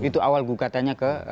itu awal gugatannya ke